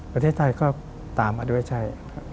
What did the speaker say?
ประเทศไทยก็ตามมาด้วยใช่ครับ